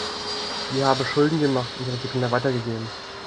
Wir haben Schulden gemacht und sie an unsere Kinder weitergegeben.